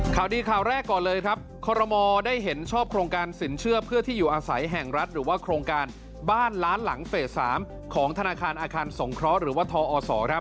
ข่าวดีข่าวแรกก่อนเลยครับคอรมอลได้เห็นชอบโครงการสินเชื่อเพื่อที่อยู่อาศัยแห่งรัฐหรือว่าโครงการบ้านล้านหลังเฟส๓ของธนาคารอาคารสงเคราะห์หรือว่าทอศครับ